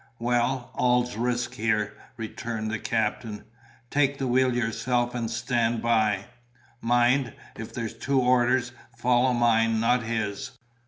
"Well, all's risk here," returned the captain. "Take the wheel yourself, and stand by. Mind, if there's two orders, follow mine, not his.